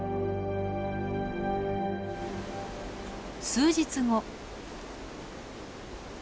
数日後。